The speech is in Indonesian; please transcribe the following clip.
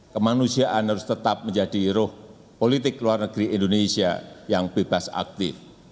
kemanusiaan harus tetap menjadi ruh politik luar negeri indonesia yang bebas aktif